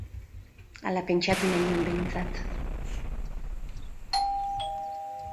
Hala pentsatu nahi nuen, behintzat.